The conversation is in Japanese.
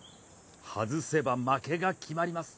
外せば負けが決まります。